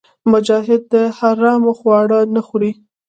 مجاهد د حرامو خواړه نه خوري.